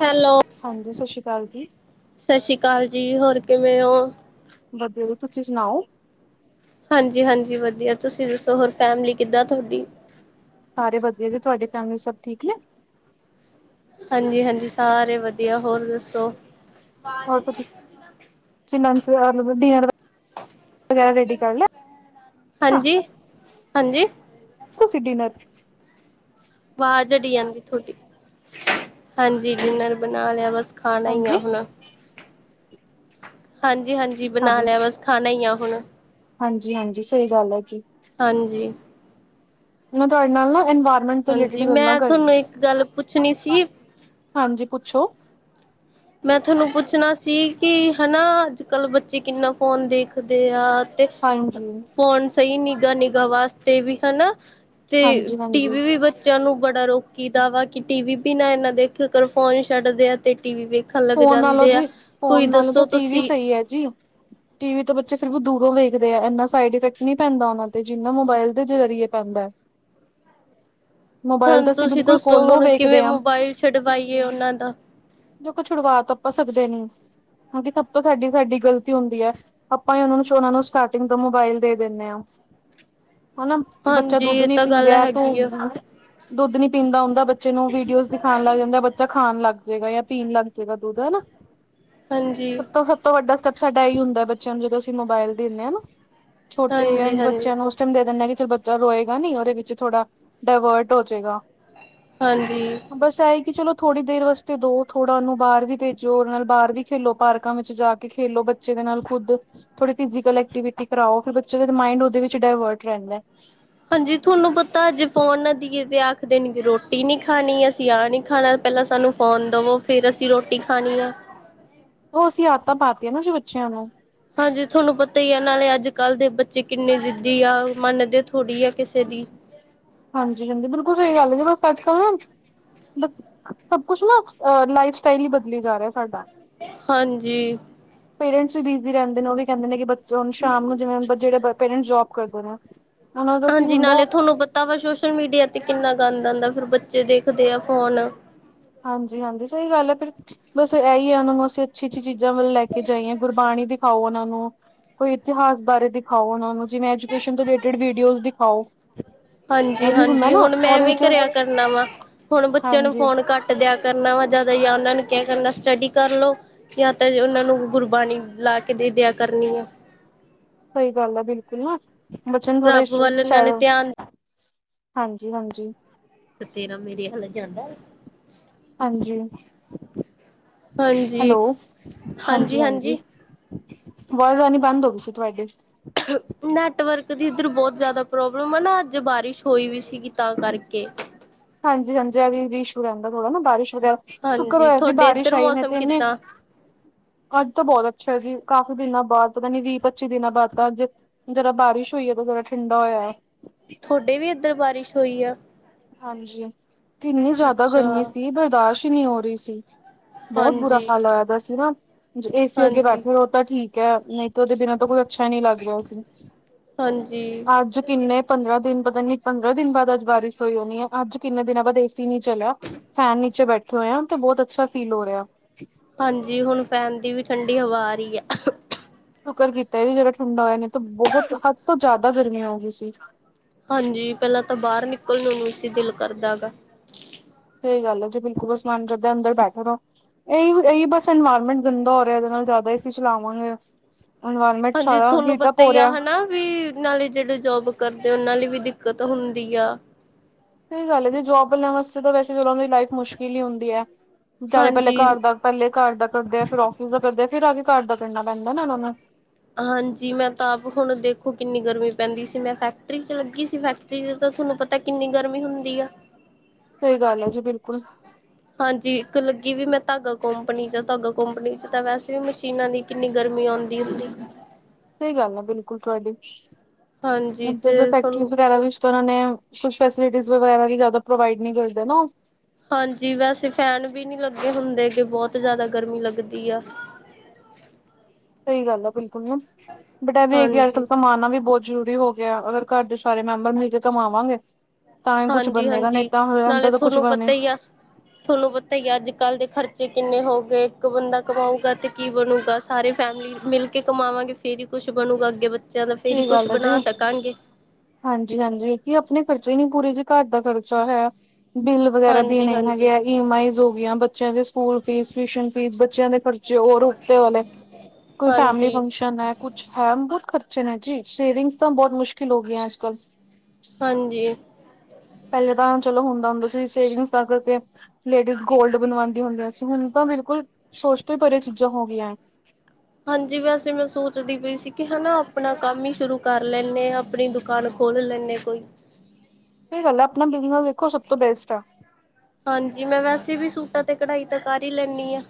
Hello, ਹਾਂਜੀ ਸਤਿ ਸ੍ਰੀ ਅਕਾਲ ਜੀ ਸਤਿ ਸ਼੍ਰੀ ਅਕਾਲ ਜੀ ਹੋਰ ਕਿਵੇ ਹੋ? ਵਧੀਆ ਤੁਸੀ ਸੁਣਾਓ? ਹਾਂਜੀ- ਹਾਂਜੀ ਵਧੀਆ ਤੁਸੀ ਦਸੋ ਹੋਰ ਫੈਮਿਲੀ ਕਿਦਾ ਤੁਹਾਡੀ ਸਾਰੇ ਵਧੀਆ ਜੀ ਤੁਹਾਡੀ ਫੈਮਿਲੀ ਸਭ ਠੀਕ ਨੇ? ਹਾਂਜੀ ਹਾਂਜੀ ਸਾਰੇ ਵਧੀਆ ਹੋਰ ਦੱਸੋ? [unintelligible] ਵਗੈਰਾ ਰੈਡੀ ਕਰ ਲਿਆ ਹਾਂਜੀ-ਹਾਂਜੀ। ਤੁਸੀਂ ਡਿਨਰ ਬਾਵਾਜ਼ [unintelligible] ਜਾਂਦੀ ਤੁਹਾਡੀ ਹਾਂਜੀ ਡਿਨਰ ਬਣਾ ਲਿਆ ਬਸ। ਖਾਣਾ ਹੀ ਆ ਹਾਂਜੀ ਅਪਣਾ ਹਾਂਜੀ ਹਾਂਜੀ ਬਣਾ ਲਿਆ ਬਸ। ਖਾਣਾ ਹੀ ਆ ਹੁਣ। ਹਾਂਜੀ ਹਾਂਜੀ ਸਹੀ ਗੱਲ ਹੈ ਜੀ ਹਾਂਜੀ। ਮੈਂ ਤੁਹਾਡੇ ਨਾਲ ਨਾ ਇਨ ਹਾਂਜੀ, ਮੈਂ ਥੋਨੂੰ ਇੱਕ ਗੱਲ ਪੁੱਛਣੀ ਸੀ ਹਾਂਜੀ, ਪੁੱਛੋ। ਮੈਂ ਤੁਹਾਨੂੰ ਪੁੱਛਣਾ ਸੀ ਕਿ ਹੈਨਾ ਅੱਜ ਕੱਲ੍ਹ ਬੱਚੇ ਕਿੰਨਾ ਫੋਨ ਦੇਖਦੇ ਆ, ਤੇ ਹਾਂਜੀ ਫੋਣ ਸਹੀ ਨਿਗਾਾ ਨਿਗਾ ਵਾਸਤੇ ਵੀ ਹੈਣਾ। ਤੇ ਹਾਂਜੀ ਟੀ ਹਾਂਜੀ ਵੀ ਬ ਬੱਚਯਾ ਨੂੰ ਬੜਾ ਰੋਕੀ ਦਾ ਵਾ ਕਿ ਟੀ ਵੀ ਵੀ ਨਾ ਇਨਾ ਦੇਖਯਾ ਕਰੋ ਫੋਨ ਛੱਡਦੇ ਆ ਤੇ ਟੀ ਵੀ ਵੇਖ ਫੋਨ ਨਾਲੋ ਜੀ ਫੋਨ ਨਾਲੋ ਤਾਂ ਟੀ ਵੀ ਤੁਸੀਂ ਸਹੀ ਹੈ ਜੀ- ਟੀ ਵੀ ਤੋਂ ਬੱਚੇ ਫਿਰ ਵੀ ਦੂਰੋ ਵੇਖਦੇ ਆ ਇਨਾ ਸਾਈਡ ਇਫੈਕਟ ਨਹੀ ਪੈਦਾ ਉਹਨਾ ਤੇ ਜਿਨਾ ਮੋਬਾਇਲ ਦੇ ਜਰੀਏ ਪੈਂਦਾ ਮੋਬਾਇਲ ਹੁਣ ਤਾਂ ਅਸੀ ਬਿਲਕੁਲ ਕੋਲੋ ਵੇਖਦੇ ਆਂ। ਸ਼ੁੜਵਾਈਏ ਉਹਨਾ ਦਾ ਛੁੜਵਾ ਤਾ ਆਪਾਂ ਸਕਦੇ ਨੀ, ਕੇਓਕਿ ਸਬ ਤੋ ਸਾਡੀ, ਸਾਡੀ ਗਲਤੀ ਹੋਂਦੀ ਐ ਆਪਾਂ ਏ ਓਨਾ ਨੂੰ ਓਨਾ ਨੂੰ, ਸਟਾਟਿਂਗ ਤੋ ਮੋਬਾਇਲ ਦੇ ਦੇਨੇ ਆਂ। ਹਨਾ, ਬੱਚਾ ਹਾਂਜੀ ਦੁਦ ਇਹ ਨੀ ਤਾਂ ਗੱਲ ਪੀਰੇਆ ਹੈਗੀ ਆ ਤੂੰ ਦੁੱਦ ਨੀ ਪੀਂਦਾ ਔਂਦਾ ਬੱਚੇ ਨੂੰ, ਵੀਡੀਓਜ਼ ਦਿਖਾਨ ਲੱਗ ਜਾਦਾਂ ਬੱਚਾ ਖਾਨ ਲਗ ਜੇਗਾ ਯਾ ਪੀਨ ਲਗ ਦਾ ਦੁੱਧ ਹੈ ਨਾ ਹਾਂਜੀ ਸਭ ਤੋਂ ਸਬ ਤੋਂ ਵੱਡਾ ਸਟੈਪ ਸਾਡਾ ਐਈ ਹੁੰਦੈ ਬੱਚੇਆਂ ਨੂੰ ਜਦੋਂ ਅਸੀਂ ਮੋਬਾਈਲ ਦੇਂਨੇ ਆ ਨਾ, ਛੋਟੇ ਹਾਂਜੀ ਐਂਜ ਹਾਂਜੀ ਬੱਚੇਆਂ ਨੂੰ ਦੇ ਦੇਨੇ ਆ ਕਿ ਚਲ ਬੱਚਾ ਰੋਏਗਾ ਨੀ, ਓਦੇ ਵਿੱਚ ਥੋੜਾ ਡਵੇਅਰਟ ਹੋ ਜੇਗਾ। ਹਾਂਜੀ। ਬਸ ਐਈ ਕਿ ਚਲੋ, ਥੋੜੀ ਦੇਰ ਵਸਤੇ ਦੋ ਥੋੜਾ ਓਨੂੰ। ਬਾਰ ਵੀ ਭੇਜੋ ਓਦੇ ਨਾਲ ਬਾਰ ਵੀ ਖੇਲੋ, ਪਾਰਕਾਂ ਵਿੱਚ ਜਾ ਕੇ ਖੇਲੋ ਬੱਚੇ ਦੇ ਨਾਲ ਖੁੱਦ। ਥੋੜੀ ਫਿਜੀ਼ਕਲ ਐਕਟੀਵੀਟੀ ਕਰਾਓ, ਫੇਰ ਬੱਚੇ ਦਾ ਮਾੰਈਡ ਓਦੇ ਵਿੱਚ ਡਾਏਵਰਟ ਰੈਂਦੈ। ਹਾਂਜੀ, ਥੋਨੂੰ ਪਤੈ ਜੇ ਫੋਨ ਨਾ ਦੀਏ ਤੇ ਆਖਦੇ ਨੇ ਕਿ ਰੋਟੀ ਨੀ ਖਾਨੀ ਅਸੀਂ ਆਹ ਨੀ ਖਾਣਾ ਪੈਲਾਂ ਸਾਨੂੰ ਫੋਨ ਦਵੋ, ਫੇਰ ਅਸੀਂ ਰੋਟੀ ਖਾਨੀ ਆ। ਓ ਅਸੀਂ ਆਤਾਂ ਪਾਤੀਆਂ ਨਾ ਜੋ ਬੱਚੇਆਂ ਨੂੰ। ਹਾਂਜੀ ਥੋਨੂੰ ਪਤਾ ਈ ਆ, ਨਾਲੇ਼ ਅੱਜ-ਕੱਲ ਦੇ ਬੱਚੇ ਕਿੰਨੇ ਜਿ਼ੱਦੀ ਆ ਮੰਨਦੇ ਥੋੜੀ ਆ ਕਿਸੇ ਦੀ। ਹਾਂਜੀ, ਹਾਂਜੀ ਬਿਲਕੁਲ ਸਈ ਗਾੱਲ ਏ [unintelligible] ਸੱਚ ਕਵਾਂ ਆੱਜ। ਮਤਲ ਸਭ ਕੁਛ ਨਾ ਅ, ਲਾਈਫ ਸਟਾਈਲ ਈ ਬਦਲੀ ਜਾ ਰੇਆ ਸਾਡਾ। ਹਾਂਜੀ। ਪੇਰੇਂਟਸ ਵੀ ਬਿਜ਼ੀ ਰੈਂਦੇ ਨੇ, ਓ ਵੀ ਕੈਂਦੇ ਨੇ ਬੱਚੇਆ ਨੂੰ ਸ਼ਾਮ ਨੂੰ ਜਿਵੇਂ ਹੂਨ ਪੇਰੇਂਟ ਜੋਬ [unintelligible] ਕੀ ਹਾਂਜੀ ਹੁੰਦਾ ਨਾਲੇ਼ ਥੋਨੂੰ ਪਤਾ ਵਾ, ਸੋਸ਼ਲ ਮੀੜੀਆ ਤੇ ਕਿੰਨਾ ਗੰਦ ਆਂਦਾ ਫੇਰ ਬੱਚੇ ਦੇਖਦੇ ਆ ਫੋਨ। ਹਾਂਜੀ, ਹਾਂਜੀ ਸਈ ਗੱਲ ਐ ਫੇਰ, ਵੈਸੇ ਐਈ ਐ ਐਨੂ ਵਾਸੀ ਅੱਛੀ, ਅੱਛੀ ਚੀਜਾ ਵੱਲ ਲੈ ਕੇ ਜਾਈਏ ਗੁਰਬਾਣੀ ਦਿਖਾਓ ਓਨਾਂ ਨੂੰ ਕੋਈ ਇਤਿਹਾਸ ਬਾਰੇ ਦਿਖਾਓ ਓਨਾਂ ਨੂੰ, ਜਿਵੇ ਐਜੂਕੇਸ਼ਨ ਦੇ ਰਿਲੇਟੇੜ ਵੀੜੀਓਜ਼ ਦਿਖਾਓ ਇਹ ਹਾਂਜੀ, ਵੀ ਹੁੰਦਾ ਹਾਂਜੀ ਨਾ ਹੁਣ ਮੈਂ ਉਹਦੇ ਵੀ ਵਿੱਚ ਕਰੇਆ ਕਰਨਾ ਵਾ, ਹੁਣ ਬੱਚੇਆਂ ਨੂੰ ਹਾਂਜੀ ਫੋਨ ਘੱਟ ਦੇਆ ਕਰਨਾ ਜਾਦਾ ਜਾਂ ਓਨਾਂ ਨੂੰ ਕੇਆ ਕਰਨਾ, ਸਟੱਡੀ ਕਰ ਲੋ ਯਾ ਤੇ ਓਨਾਂ ਨੂੰ ਗੁਰਬਾਣੀ ਲਾ ਕੇ ਦੇ ਦੇਆ, ਕਰਨੀ ਆ। ਸਈ ਗੱਲ ਆ ਬਿਲਕੁਲ ਨਾ, ਬੱਚੇਆ ਨੂੰ ਥੋੜਾ ਰੱਬ ਵੱਲ ਸੋ਼ ਨਾਲੇ ਧਿਆਨ ਹਾਂਜੀ, ਹਾਂਜੀ। ਤੇ ਤੇਰਾ ਮੇਰੇ ਹੱਲ ਜਾਂਦਾ ਏ? ਹਾਂਜੀ, ਹਾਂਜੀ ਹੈਲੋ ਹਾਂਜੀ, ਹਾਂਜੀ। ਵਾਜ਼ ਆਨੀ ਬਾੰਦ ਹੋਗੀ ਸੀ ਤੁਆਡੀ। ਨੈਟਵਰਕ ਦੀ ਇੱਦਰ ਬੋਤ ਜਾਦਾ ਪ੍ਰੋਬਲਮ ਆ ਨਾ, ਆੱਜ ਬਾਰਿਸ਼ ਹੋਈ ਵੀ ਸੀਗੀ ਤਾਂ ਕਾਰਕੇ। ਹਾਂਜੀ, ਹਾਂਜੀ ਐ ਵੀ ਰੀਸ਼ ਰੈਂਦਾ ਥੋੜਾ ਨਾ, ਬਾਰਿਸ਼ ਵਗੈਰਾ, ਸੂ਼ਕਰ ਹਾਂਜੀ ਹੋਏਆ ਜੇ ਤੁਹਾਡੇ ਬਾਰਿਸ਼ ਇੱਧਰ ਆਈ, ਨੀ ਤੇ ਮੌਸਮ ਏਨੇ ਕਿੱਦਾਂ ਆੱਜ ਤਾਂ ਬੋਤ ਅੱਛਾ ਐ ਜੀ, ਕਾਫ਼ੀ ਦਿਨਾਂ ਬਾਦ ਪਤਾ ਨੀ ਵੀਹ, ਪੱਚੀ ਦਿਨਾਂ ਬਾਦ ਤਾਂ ਅੱਜ ਜ਼ਰਾ ਬਾਰਿਸ਼ ਹੋਈ ਏ ਤੇ ਜ਼ਰਾ ਠੰਡਾ ਹੋਏਐ। ਥੋਡੇ ਵੀ ਏਦਰ ਬਾਰਿਸ਼ ਹੋਈ ਆ? ਹਾਂਜੀ, ਕਿੰਨੀ ਜਾ਼ਦਾ ਅੱਛਾ ਗਰਮੀ ਸੀ ਬਰਦਾਸ਼ਤ ਈ ਨੀ ਹੋਰੀ ਸੀ। ਬਹੁਤ ਬੁਰਾ ਹਾਂਜੀ ਹਾਲ ਹੋਇਆ ਦਾ ਸੀਗਾ ਏਸੀ ਅੱਗੇ ਹਾਂਜੀ ਬੈਠੇ ਤਾਂ ਠੀਕ ਹੈ ਨਹੀਂ ਤਾਂ ਉਹਦੇ ਬਿਨਾਂ ਤੋਂ ਕੋਈ ਅੱਛਾ ਹੀ ਨਹੀਂ ਲੱਗ ਰਿਹਾ ਸੀ। ਹਾਂਜੀ ਅੱਜ ਕਿੰਨੇ ਪੰਦਰਾਂ ਦਿਨ ਪਤਾ ਨੀ ਪੰਦਰਾਂ ਦਿਨ ਬਾਅਦ ਅੱਜ ਬਾਰਿਸ਼ ਹੋਈ ਹੋਣੀ ਹੈ ਅੱਜ ਕਿੰਨੇ ਦਿਨਾਂ ਬਾਅਦ ਏਸੀ ਨੀ ਚਲਿਆ। ਫੈਨ ਨੀਚੇ ਬੈਠੇ ਹੋਏ ਆ ਤੇ ਬਹੁਤ ਅੱਛਾ ਫੀਲ ਹੋ ਰਿਹਾ। ਹਾਂਜੀ, ਹੁਨ ਫੈਨਦੀ ਵੀ ਠੰਡੀ ਹਵਾ ਆ ਰੀ ਆ। ਸੂ਼ਕਰ ਕੀਤਾ ਈ ਜੇੜਾ ਠੰਡਾ ਹੋਏਆ, ਨੀ ਤਾਂ ਬੋਹਤ ਹੱਦ ਸੋ ਜਾਦਾ ਗਰਮੀ ਆ ਗਈ ਸੀ। ਹਾਂਜੀ, ਪੈਲਾਂ ਤਾਂ ਬਾਅਰ ਨਿਕਲ਼ ਨੂੰ ਨੀ ਸੀ ਦਿਲ ਕਰਦਾ ਗਾ। ਸਈ ਗਾੱਲ ਆਜੀ ਬਿਲਕੁਲ ਓ [unintelligible] ਅੰਦਰ ਬੈ ਸਕਦਾ। ਏਈ, ਏਈ ਬਸ ਇਨਵਾਇਰਮੈਂਟ ਗੰਦਾ ਹੋ ਰੇਆ ਵੇ ਐਦੇ ਨਾਲ ਜਾ਼ਦਾ ਏ ਸੀ ਚਲਾਵਾਂਗੇ। ਇਨਵਾਏਰਮੈਂਟ ਸਾਰਾ ਵੀਪ ਪ ਹੋ ਰੇਐ। [unintelligible] ਨਾਲੇ਼ ਜੇੜੇ ਜੋਬ ਕਰਦੇ, ਓਨਾਂ ਲਈ ਵੀ ਦਿੱਕਤ ਹੁੰਦੀ ਆ। ਸਈ ਗੱਲ ਏ ਜੀ ਜੋਬ ਬਲੇਆਂ ਵਾਸਤੇ ਤਾਂ ਵੈਸੇ ਵੀ ਓਨਾ ਦੀ ਲਾਈਫ ਮੁਸ਼ਕਿਲ ਈ ਹੁੰਦੀ ਆ, ਜਾ ਤੇ ਪੈਲਾ ਹਾਂਜੀ ਘਾਰ ਦਾ ਪੈਲੇ ਘੲਰ ਦਾ ਕਰਦੇ ਆ, ਫਿਰ ਔਫੀਸ ਦਾ ਕਰਦੇ ਆ, ਫਿਰ ਆ ਕੇ ਘਾਰ ਦਾ ਕਰਨਾ ਪੈਂਦਾ ਨਾ ਐਨਾਂ ਨੂੰ। ਹਾਂਜੀ ਮੈਂ ਤਾਂ ਆਪ ਹੁਣ ਦੇਖੋ ਕਿੰਨੀ ਗਰਮੀ ਪੈਂਦੀ ਸੀ ਮੈਂ ਫੈਕਟਰੀ ਚ ਲੱਗੀ ਸੀ ਫੈਕਟਰੀ ਸਵੇਰ ਦਾ ਤੁਹਾਨੂੰ ਪਤਾ ਕਿੰਨੀ ਗਰਮੀ ਹੁੰਦੀ ਆ। ਸਹੀ ਗੱਲ ਹੈ ਜੀ ਬਿਲਕੁਲ। ਹਾਂਜੀ ਇੱਕ ਲੱਗੀ ਵੀ ਮੈਂ ਧਾਗਾ ਕੋਪਨੀ ਚ ਧਾਗਾ ਕੋਪਨੀ ਚ ਤਾਂ ਵੈਸੇ ਵੀ ਮਸ਼ੀਨਾਂ ਦੀ ਕਿੰਨੀ ਗਰਮੀ ਆਉਂਦੀ ਹੁੰਦੀ। ਸਹੀ ਗੱਲ ਹੈ ਬਿਲਕੁਲ ਤੁਹਾਡੀ ਹਾਂਜੀ ਹੁਣ ਤੇ ਫੈਕਟਰੀ ਸਾਨੂੰ ਵਗੈਰਾ ਵੀ ਉਨ੍ਹਾਂ ਨੇ ਕੁਛ ਫੈਸਿਲਿਟੀ ਵਗੈਰਾ ਵੀ ਜਿਆਦਾ ਪ੍ਰੋਵਾਈਡ ਨੀ ਕਰਦੇ ਨਾ ਹਾਂਜੀ ਵੈਸੇ ਫੈਨ ਵੀ ਨਹੀਂ ਲੱਗੇ ਹੁੰਦੇ ਗ ਬਹੁਤ ਜ਼ਿਆਦਾ ਗਰਮੀ ਲੱਗਦੀ ਆ ਸਹੀ ਗੱਲ ਆ ਬਿਲਕੁਲ ਨਾ ਬਟ ਇਹ ਵੀ ਗੱਲ ਹਾਂਜੀ, ਕਮਾਨਾ ਵੀ ਬਹੁਤ ਜ਼ਰੂਰੀ ਹੋ ਗਿਆ ਅਗਰ ਘਰ ਦੇ ਸਾਰੇ ਮੈਂਬਰ ਮਿਲ ਕੇ ਕਮਾਵਾਂਗੇ ਤਾਂ ਹੀ ਕੁਛ ਹਾਂਜੀ, ਬਣੇੇਗਾ ਨਹੀਂ ਹਾਂਜੀ ਤਾਂ ਹੋਦਾ ਨਾਲੇ ਤਾਂ ਕੁਛ ਤੁਹਾਨੂੰ ਬਣੇ ਪਤਾ ਹੀ ਆ ਤੁਹਾਨੂੰ ਪਤਾ ਹੀ ਅੱਜ ਕੱਲ੍ਹ ਦੇ ਖਰਚੇ ਕਿੰਨੇ ਹੋ ਗਏ ਇੱਕ ਬੰਦਾ ਕਮਾਊਗਾ ਤੇ ਕੀ ਬਣੂਗਾ। ਸਾਰੇ ਫੈਮਿਲੀ ਮਿਲ ਕੇ ਕਮਾਵਾਂਗੇ ਫੇਰ ਹੀ ਕੁਛ ਬਣੂਗਾ ਅੱਗੇ ਬੱਚਿਆਂ ਦਾ ਫੇਰ ਹੀ ਸਹੀ ਕੁਛ ਗੱਲ ਹੈ ਜੀ ਬਣਾ ਸਕਾਂਗੇ। ਹਾਂਜੀ ਹਾਂਜੀ ਕੀ ਆਪਣੇ ਖਰਚੇ ਹੀ ਨੀ ਪੂਰੇ ਜੀ ਘਰ ਦਾ ਖਰਚਾ ਹੈ। ਬਿੱਲ ਵਗੈਰਾ ਹਾਂਜੀ ਦੇਣੇ ਹਾਂਜੀ ਹੈਗੇ ਆ ਈ ਐਮ ਆਈਜ਼ ਹੋ ਗਆਂ ਬੱਚਿਆਂ ਦੇ ਸਕੂਲ ਫੀਸ ਟਿਊਸ਼ਨ ਫੀਸ ਬੱਚਿਆਂ ਦੇ ਖਰਚ ਜੇ ਹੋ ਰੁਕਤੇ ਵਾਲੇ ਕੋਈ ਫੈਮਲੀ ਹਾਂਜੀ ਫੰਕਸ਼ਨ ਹੈ ਕੁਛ ਹੈ ਮਤਲਬ ਖਰਚੇ ਆ ਜੀ ਸੇਵਿੰਗਸ ਤਾਂ ਬਹੁਤ ਮੁਸ਼ਕਿਲ ਹੋ ਗਈਆਂ ਅੱਜ ਕੱਲ। ਹਾਂਜੀ ਪਹਿਲੇ ਤਾਂ ਚਲੋ ਹੁੰਦਾ ਹੁੰਦਾ ਸੀ ਸੇਵਿੰਗਸ ਦਾ ਕਰਕੇ ਲੇਡੀਜ਼ ਗੋਲਡ ਬਣਵਾਉਂਦੀ ਹੁੰਦੀਆਂ ਸੀ ਹੁਣ ਤਾਂ ਬਿਲਕੁਲ ਸੋਚ ਤੋਂ ਹੀ ਪਰਰੇ ਚੀਜ਼ਾਂ ਹੋ ਗਈਆਂ। ਹਾਂਜੀ ਵੈਸੇ ਮੈਂ ਸੋਚਦੀ ਪਈ ਸੀ ਕਿ ਹਨਾ ਆਪਣਾ ਕੰਮ ਹੀ ਸ਼ੁਰੂ ਕਰ ਲੈਂਦੇ ਹਾਂ ਆਪਣੀ ਦੁਕਾਨ ਖੋਲ ਲੈਣੇ ਕੋਈ। ਸਹੀ ਗੱਲ ਆ ਆਪਣਾ ਬਿਜਨਸ ਵੇਖੋ ਸਭ ਤੋਂ ਬੈਸਟ ਆ। ਹਾਂਜੀ ਮੈਂ ਵੈਸੇ ਵੀ ਸੂਟਾਂ ਤੇ ਕਢਾਈ ਤਾਂ ਕਰ ਹੀ ਲੈਂਦੀ ਹਾਂ।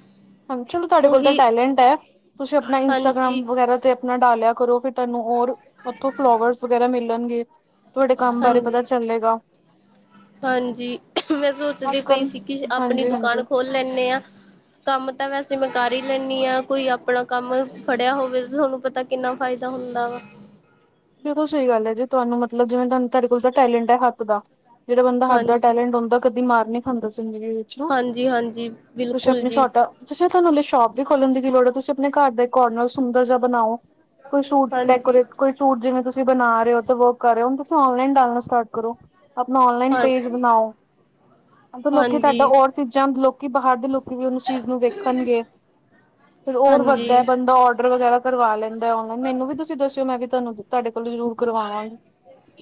ਹਾਂਜੀ ਚਲੋ ਤੁਹਾਡੇ ਕੋਲ ਤਾਂ ਉਹੀ ਟੈਲੈਂਟ ਹੈ ਤੁਸੀਂ ਆਪਣਾ ਹਾਂਜੀ ਇੰਸਟਾਗ੍ਰਾਮ ਵਗੈਰਾ ਤੇ ਆਪਣਾ ਡਾਲਿਆ ਕਰੋ ਫਿਰ ਤੁੈਾਨੂੰ ਹੋਰ ਉੱਥੋਂ ਫਲਾਵਰਸ ਵਗੈਰਾ ਮਿਲਣਗੇ ਤੁਹਾਡੇ ਕੰਮ ਬਾਰੇ ਪਤਾ ਹਾਂਜੀ ਚੱਲੇਗਾ। ਹਾਂਜੀ ਮੈਂ ਸੋਚਦੀ ਅੱਜ ਪਈ ਕੱਲ ਸੀ ਕਿ ਆਪਣੀ ਹਾਂਜੀ ਹਾਂਜੀ ਦੁਕਾਨ ਖੋਲ ਲੈਣੇ ਹਾਂ। ਕੰਮ ਤਾਂ ਵੈਸੇ ਮੈਂ ਕਰ ਹੀ ਲੈਣੀ ਹਾਂ ਕੋਈ ਆਪਣਾ ਕੰਮ ਖੜਿਆ ਹੋਵੇ ਤੁਹਾਨੂੰ ਪਤਾ ਕਿੰਨਾ ਫ਼ਾਇਦਾ ਹੁੰਦਾ ਵਾ। ਬਿਲਕੁਲ ਸਹੀ ਗੱਲ ਹੈ ਜੀ ਤੁਹਾਨੂੰ ਮਤਲਬ ਜਿਵੇਂ ਤੁ ਤੁਹਾਡੇ ਕੋਲ ਤਾਂ ਟੈਲੈਂਟ ਹੈ ਹੱਥ ਦਾ ਜਿਹੜਾ ਬੰਦਾ ਹੱਥ ਦਾ ਹਾਂਜੀ। ਟੈਲੈਂਟ ਹੁੰਦਾ ਕਦੀ ਮਾਰ ਨਹੀਂ ਖਾਂਦਾ ਜਿੰਦਗੀ ਵਿਚ। ਹਾਂਜੀ ਹਾਂਜੀ ਬਿਲਕੁਲ ਜੀ। ਤੁਸੀਂ ਤੁਹਾਨੂੰ ਸ਼ੋਪ ਵੀ ਖੋਲਣ ਦੀ ਕੀ ਲੋੜ ਹੈ ਤੁਸੀਂ ਆਪਣੇ ਘਰ ਦਾ ਕੋਰਨਰ ਸੁੰਦਰ ਜਿਹਾ ਬਣਾਓ। ਕੋਈ ਸ਼ੂਟ ਹਾਂਜੀ ਡੈਕੋਰੇਟ ਕੋਈ ਸੂਟ ਜਿਵੇਂ ਤੁਸੀਂ ਬਣਾ ਰਹੇ ਹੋ ਵਰਕ ਕਰ ਰਹੇ ਹੋ ਤੁਸੀਂ ਓਨਲਾਈਨ ਡਾਲਣਾ ਸਟਾਰਟ ਕਰੋ। ਆਪਣਾ ਨਲਾਈਨ ਹਾਂ ਪੇਜ ਬਣਾਓ ਲੋਕੀ ਤੁਹਾਡਾ ਔਰ ਹਾਂਜੀ-ਹਾਂਜੀ। ਚੰਦ ਲੋਕੀ ਬਾਹਰ ਦੇ ਲੋਕੀ ਵੀ ਉਹਨੂੰ ਚੀਜ਼ ਨੂੰ ਵੇਖਣਗੇ ਫਰ ਹੋਰ ਵੱਧਦਾ ਬੰਦਾ ਔਡਰ ਵਗੈਰਾ ਕਰਵਾ ਲੈਂ ਆਨਲਾਈਨ ਮੈਨੂੰ ਵੀ ਤੁਸੀਂ ਦੱਸਿ ਮੈਂ ਵੀ ਤੁਹਾਨੂੰ ਤੁਹਾੇ ਕੋਲੋਂ ਜ਼ਰੂਰ ਕਰਵਾਵਾਂਗੀ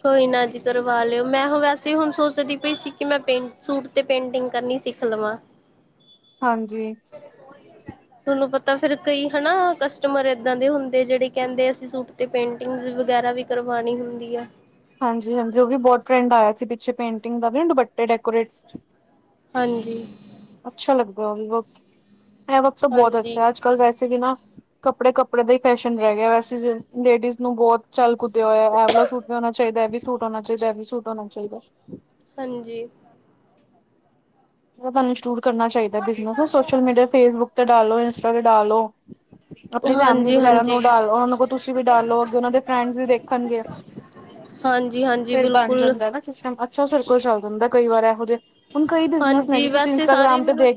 ਕੋਈ ਨਾ ਜੀ ਕਰਵਾ ਲਿਓ ਮੈਂ ਵੈਸੇ ਹੁਣ ਸੋਚਦੀ ਪਈ ਸੀ ਕਿ ਮੈਂ ਪੇਂ ਸੂਟ ਤੇ ਪੇਂਟਿੰਗ ਕਰਨੀ ਸਿਖਣੀ [unintelligible] ਹਾਂਜੀ। ਤੁਹਾਨੂੰ ਪਤਾ ਫੇਰ ਕਈ ਹਨਾ ਕਸਟਮਰ ਇਦਾਂ ਦੇ ਹੁੰਦੇ ਜਿਹੜੇ ਕਹਿੰਦੇ ਅਸੀਂ ਸੂਟ ਤੇ ਪੇਂਟਿੰਗਸ ਵਗੈਰਾ ਵੀ ਕਰਵਾਉਣੀ ਹੁੰਦੀ ਆ। ਹਾਂਜੀ ਹਾਂਜੀ ਉਹ ਵੀ ਬਹੁਤ ਫਰੈਂਡ ਆਇਆ ਸੀ ਪਿੱਛੇ ਪੇਂਟਿੰਗ ਦਾ ਵੀ ਦੁੱਪਟੇ ਡੈਕੋਰੇਟ ਹਾਂਜੀ। ਅੱਛਾ ਲੱਗਦਾ ਉਹ ਵੀ ਇਹ ਵਕਤ ਹਾਂਜੀ, ਬਹੁਤ ਅੱਛਾ ਹਾਂਜੀ। ਹੈ ਅੱਜ ਕੱਲ ਵੈਸੇ ਵੀ ਨਾ ਕੱਪੜੇ ਕੱਪੜੇ ਦਾ ਹੀ ਫੈਸ਼ਨ ਰਹਿ ਗਿਆ ਵੈਸੇ ਲੇਡੀਜ਼ ਨੂੰ ਬਹੁਤ ਚੱਲ ਇਹ ਵਾਲਾ ਸੂਟ ਵੀ ਹੋਣਾ ਚਾਹੀਦਾ ਇਹ ਵੀ ਸੂਟ ਹੋਣਾ ਚਾਹੀਦਾ ਇਹ ਵੀ ਸੂਟ ਹੋਣਾ ਚਾਹੀਦਾ। ਹਾਂਜੀ ਤੁਹਾਨੂੰ ਇੰਸਟਾਲ ਕਰਨਾ ਚਾਹੀਦਾ ਬਿਨਸ ਸੋਸ਼ਲ ਮੀਡੀਆ ਫੇਸਬੁੱਕ ਤੇ ਡਾਲੋ ਇੰਸਟਾ ਤੇ ਡਾਲੋ ਆਪਣੀ ਫੈਮਿਲੀ ਹਾਂਜੀ, ਵਗੈਰਾ ਨੂੰ ਹਾਂਜੀ, ਡਾਲ ਉਹ ਕੋਲ ਤੁਸੀਂ ਵੀ ਡਾਲੋ ਅੱਗੇ ਉਹਨਾਂ ਦੇ ਫਰੈਂਡਸ ਵੀ ਦੇਖਣਗੇ ਹਾਂਜੀ, ਹਾਂਜੀ ਫੇਿਰ ਬਣ ਬਿਲਕੁਲ। ਜਾਂਦਾ ਨਾ ਸਿਸਟਮ ਅਛਾ ਸਰਕਲ ਚੱਲ ਜਾਂਦਾ ਕਈ ਵਾਰ ਇਹੋ ਜਿਹੇ ਹੁਣ ਕਈ ਬਿਜ਼ਨਸ ਜੀ ਵੈਸੇ ਸਾਰੇ ਮੈਨੂੰ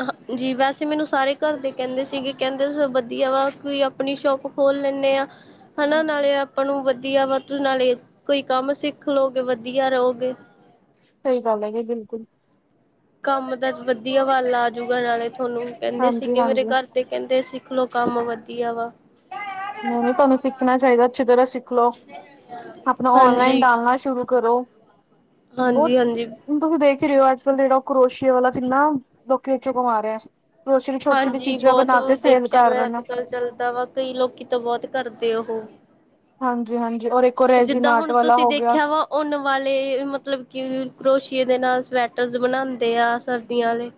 ਹਾਂਜੀ ਵੈਸੇ ਮੈਨੂੰ ਸਾਰੇ ਘਰ ਦੇ ਕਹਿੰਦੇ ਸੀਗੇ ਕਹਿੰਦੇ ਵਧੀਆ ਵਾ ਆਪਣੀ ਸ਼ੋਪ ਖੋਲ ਲੈਂਦੇ ਹਾਂ ਹਨਾ ਹਮ, ਨਾਲੇ ਆਪਾਂ ਨੂੰ ਵਧੀਆ ਵਾ ਨਾਲੇ ਕੋਈ ਕੰਮ ਸਿੱਖ ਲਓਗੇ ਵਧੀਆ ਰਹੋਗੇ ਸਹੀ ਗੱਲ ਹੈਗੀ ਬਿਲਕੁਲ ਕੰਮ ਦਾ ਵਧੀਆ ਵੱਲ ਆਜੂਗਾ ਨਾਲੇ ਤੁਹਾਨੂੰ ਕਹਿੰਦੇ ਹਾਂਜੀ ਸੀਗੇ ਮੇਰੇ ਹਾਂਜੀ ਘਰ ਤੇ ਕਹਿੰਦੇ ਸਿੱਖਲੋ ਕੰਮ ਵਧੀਆ ਵਾ ਨਹੀਂ ਨਹੀਂ ਤੁਹਾਨੂੰ ਸਿੱਖਣਾ ਚਾਹੀਦਾ ਅੱਛੀ ਤਰ੍ਹਾਂ ਸਿੱਖ ਲੋ ਆਪਣਾ ਔਨਲਾਈਨ ਹਾਂਜੀ, ਡਾਲਣਾ ਸ਼ੁਰੂ ਕਰੋ ਬਹੁਤ। ਹਾਂਜੀ, ਹਾਂਜੀ। ਹਣ ਤੁਸੀਂ ਦੇਖ ਹੀ ਰਹੇ ਹੋ ਅੱਜ ਕੱਲ ਜਿਹੜਾ ਉਹ ਕਰੋਸ਼ੀਆ ਵਾਲਾ ਕਿਿੰਨਾ ਲੋਕੀ ਚੋਂ ਕਮ ਰਿਹਾ ਕਰੋਸ਼ੀਏ ਦੀਆਂ ਛੋਟੀ ਛੋਟੀ ਹਾਂਜੀ ਚੀਜ਼ਾਂ ਬਣਾ ਕੇ ਸੇਲ ਕਰ ਰਹੇ ਨੇ ਭਰਾਵਾ ਕਈ ਲੋਕੀ ਤੋਂ ਬਹੁਤ ਕਰਦੇ ਉਹ ਹਾਂਜੀ ਹਾਂਜੀ ਔਰ ਇੱਕ ਉਹ ਰੈਜੀਨਾਟ ਵਾਲਾ ਹੋ ਗਿਆ ਉਨ ਵਾਲੇ ਮਤਲਬ ਕਿ ਕਰੋਸ਼ੀਏ ਦੇ ਨਾਲ ਸਵੈਟਰਸ ਬਣਾਉਂਦੇ ਆ ਸਰਦੀਆਂ ਵਾਲੇ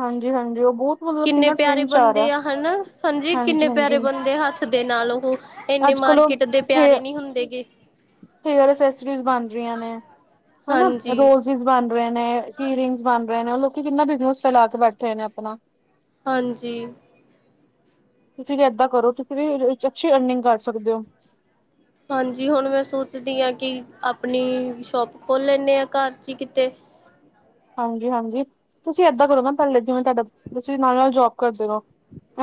ਹਾਂਜੀ ਹਾਂਜੀ ਉਹ ਬਹੁਤ ਮਤਲਬ ਕਿੰਨੇ ਕਿੰਨਾ ਪਿਆਰੇ ਟ੍ਰੈਂਡ ਚ ਬੰਦੇ ਰਿਹਾ ਆ ਹਨਾ ਹਾਂਜੀ ਕਿੰਨੇ ਪਿਆਰੇ ਬੰਦੇ ਹੱਥ ਦੇ ਨਾਲ ਉਹ ਇੰਨੇ ਅੱਜ ਕੱਲ ਉਹ ਮਾਰਕੀਟ ਦੇ ਹੇਅ ਪਿਆਰੇ ਨਹੀਂ ਹੁੰਦੇ ਗ ਹੇਅਰ ਅਸਸਰੀ ਬਣ ਰਹੀਆਂ ਨੇ ਹਨਾ ਹਾਂਜੀ ਰੋਜ਼ ਬਣ ਰਹੇ ਨੇ ਹੀਰਿੰਗ ਬਣ ਰਹੇ ਨੇ ਉਹ ਲੋਕ ਕਿੰਨਾ ਬਿਜਨਸ ਫੈਲਾ ਕੇ ਬੈਠ ਰਹੇ ਨੇ ਆਪਣਾ ਹਾਂਜੀ ਤੁਸੀਂ ਵੀ ਏਦਾਂ ਕਰੋ ਤੁਸੀਂ ਵੀ ਵਿੱਚ ਅੱਛੀ ਅਰਨਿੰਗ ਕਰ ਸਕਦੇ ਹੋ ਹਾਂਜੀ ਹੁਣ ਮੈਂ ਸੋਚਦੀ ਹਾਂ ਕਿ ਆਪਣੀ ਸ਼ੋਪ ਖੋਲ ਲੈਂਦੇ ਹਾਂ ਘਰ ਚ ਹੀ ਕਿਤੇ ਹਾਂਜੀ ਹਾਂਜੀ ਤੁਸੀਂ ਏਦਾਂ ਕਰੋ ਮ ਪਹਿਲੇ ਜਿਵੇਂ ਤੁਹਾਡਾ ਤੁਸੀਂ ਨਾਲ ਨਾਲ ਜੋਬ ਕਰਦੇ ਰਹੋ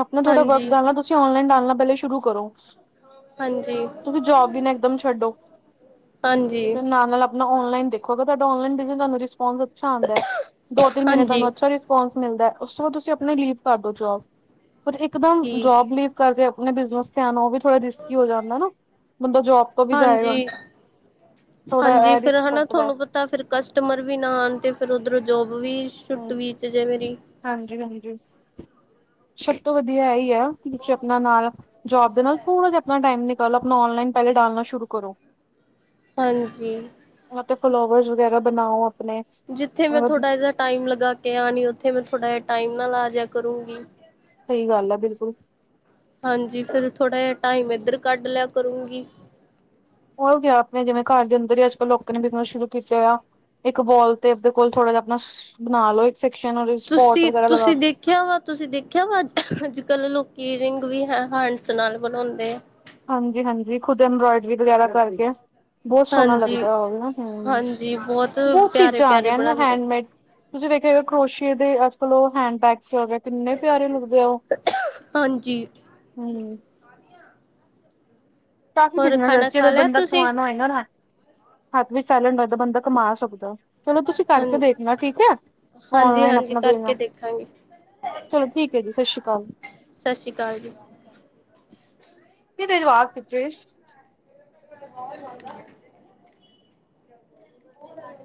ਆਪਣਾ ਥੋੜਡਾ ਬਸ ਹਾਂਜੀ ਡਾਲਣਾ ਤੁਸੀਂ ਓਨਲਾਈਨ ਡਾਲਣਾ ਪਹਿਲੇ ਸ਼ੁਰੂ ਕਰੋ ਹਾਂਜੀ ਤੁਂ ਜੋਬ ਵੀ ਨਾ ਇਕਦਮ ਛੱਡੋ ਹਾਂਜੀ ਫ ਨਾਲ ਨਾਲ ਆਪਣਾ ਪਹਿਲਾ ਆਨਲਾਈਨ ਦੇਖੋ ਅਗਰ ਤੁਹਾਡਾ ਰਿਸਪਾਂਸ ਅੱਛਾ ਆਉਂਦਾ ਦੋ ਤਿੰਨ ਮਹੀਨੇ ਹਾਂਜੀ ਆਨਲਾਈਨ ਦੇਖ ਰਿਸਪਾਂਸ ਮਿਲਦਾ ਉਸ ਤੋਂ ਬਾਅਦ ਤੁਸੀਂ ਆਪਣੇ ਲੀਵ ਕਰਦੋ ਜੋਬ ਪਰ ਇੱਕਦਮ ਠੀਕ ਜੋਬ ਲੀਵ ਕਰਕੇ ਆਪਣੇ ਬਿਜ਼ਨਸ ਵੱਲ ਵੀ ਧਿਆਨ ਦਿਓ ਉਹ ਵੀ ਥੋੜਾ ਰਿਸਕੀ ਹੋ ਜਾਂਦਾ ਨਾ ਬੰਦਾ ਜੋਬ ਤੋਂ ਵੀ ਜਾਏਗਾ। ਹਾਂਜੀ ਥੋੜਾ ਰਿਸਕ ਕਰਤ ਬ ਤਾਂ ਫਿਰ ਕਸਟਮਰ ਵੀ ਨਾ ਆਉਣ ਤੇ ਫਿਰ ਉਧਰੋਂ ਜੋਬ ਵੀ ਛੁੱਟਵ ਹੂੰ ਚ ਜੇ ਮੇਰੀ ਹਾਂਜੀ-ਹਾਂਜੀ, ਸਭ ਤੋਂ ਵਧੀਆ ਇਹ ਹੀ ਆ। ਤੁਸੀਂ ਵਿੱਚੋ ਆਪਣਾ ਨਾਲ ਜੋਬ ਦੇ ਨਾਲ ਥੋੜ੍ਹਾ ਜਿਹਾ ਆਪਣਾ ਟਾਈਮ ਨਿਕਾਲੋ ਆਪਣਾ ਔਂਨਲਾਈਨ ਪਹਿਲੇ ਡਾਲਣਾ ਸ਼ੁਰੂ ਕਰੋ। ਹਾਂਜੀ ਉਹਨਾਂ ਤੇ ਫਲਾੋਵਰਸ ਵਗੈਰਾ ਬਣਾਓ ਆਪ ਜਿੱਥੇ ਮੈਂ ਥੋੜ੍ਹਾ ਜਿਹਾ ਟਾਈਮ ਲਗਾ ਕੇ ਆਣੀ ਉਥੇ ਮੈਂ ਥੋੜਾ ਜਹਾ ਟਾਈਮ ਨਾਲ ਆ ਜਾ ਕਰੂੰਗੀ। ਸਹੀ ਗੱਲ ਆ ਬਿਲਕੁਲ ਹਾਂਜੀ ਫੇਿਰ ਥੋੜ੍ਹਾ ਜਿਹਾ ਟਾਈਮ ਇੱਧਰ ਕੱਢ ਲਿਆ ਕਰੂੰਗੀ ਹੋ ਗਿਆ ਆਪਣੇ ਜਿਵੇਂ ਘਰ ਦੇ ਅੰਦਰ ਹੀ ਅੱਜ ਕੱਲ ਲੋਕਾਂ ਨੇ ਬਿਜਨਸ ਸ਼ੁਰੂ ਕੀਤੇ ਹੋਆ ਇੱਕ ਵੋਲ ਤੇ ਆਪਦੇ ਕੋਲ ਥੋੜਾ ਜ ਆਪਣਾ ਬਣਾ ਲੋ ਇੱਕ ਸੈਕਸ਼ਨ ਸਪੋਟ ਤੁਸੀਂ ਵਗੈਰਾ ਲਗਾ ਤੁਸੀਂ ਦੇਖਿਆ ਵਾ ਤੁਸੀਂ ਦੇਖਿਆ ਵਾ ਅੱਜ ਕੱਲ੍ਹ ਲੋਕੀ ਰਿੰਗ ਵੀ ਹੈ ਹੈਂਡਸ ਨਾਲ ਬਣਾਉਂਦੇ ਹਾਂਜੀ ਹਾਂਜੀ ਖੁਦ ਐੰਬਰਾੋਇਡਰੀ ਵਗੈਰਾ ਕਰਕੇ ਬਹੁਤ ਸੋਹਣਾ ਹਾਂਜੀ ਲੱਗਦਾ ਹਾਂਜੀ ਹਮ ਬਹੁਤ ਪਿਆਰੇ ਚੀਜ਼ਾਂ ਆ ਪਿਆਰੇ ਗਈਆਂ ਨਾ ਬਣਾਉਂਦੇ ਹੈਂਡਮੇਡ ਤੁਸੀਂ ਦੇਖਿਆ ਕਰੋਸ਼ੀਏ ਦੇ ਅੱਜ ਕੱਲ ਹੈਂਡ ਬੈਗਸ ਕਿੰਨੇ ਪਿਆਰੇ ਲੱਗਦੇ ਆ ਉਹ ਹਾਂਜੀ ਹਮ ਕਾਫੀ ਹੋਰ ਬਿਗਣਾ ਖਾਣਾ ਦੱਸ ਜ ਖਾ ਅਗਰ ਲਿਆ ਬੰਦਾ ਤੁਸੀਂ ਕਮਾਨਣਾ ਹੋਏਗਾ ਨਾ ਹੱਥ ਵੀ ਟੈਲੈਂਟ ਬੰਦਾ ਕਮਾ ਸਕਦਾ ਚਲੋ ਤੁਸੀਂ ਕਰਕੇ ਹਾਂ ਦੇਖਣਾ ਠੀਕ ਹੈ, ਓਨਲਾਈਨ ਹਾਂਜੀ-ਹਾਂਜੀ ਆਪਣਾ ਕਰਕੇ ਦੇਣਾ। ਦੇਖਾਂਗੇ ਚਲੋ ਠੀਕ ਏ ਜੀ ਸਤਿ ਸ਼੍ਰੀ ਅਕਾਲ। ਸਤਿ ਸ਼੍ਰੀ ਅਕਾਲ ਜੀ। ਨੀ ਇਹਦੇ ਜਵਾਕ ਕਿੱਥੇ? [unintelligible] ਉਹ